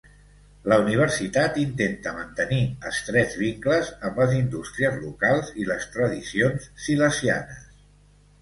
La universitat intenta mantenir estrets vincles amb les indústries locals i les tradicions silesianes.